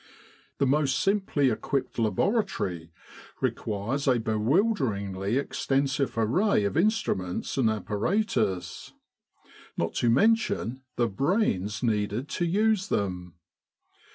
The most simply equipped laboratory requires a bewilderingly extensive array of instruments and apparatus, not to mention the brains needed to use them.